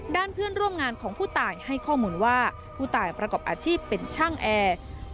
เพื่อนร่วมงานของผู้ตายให้ข้อมูลว่าผู้ตายประกอบอาชีพเป็นช่างแอร์